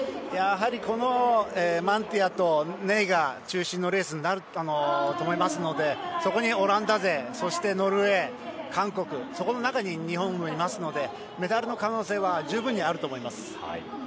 やはりマンティアとネイが中心のレースになると思いますのでそこにオランダ勢、ノルウェー韓国、そこの中に日本もいますのでメダルの可能性は十分にあると思います。